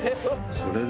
これだ。